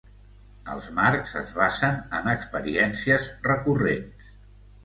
Els marcs es basen en experiències recurrents.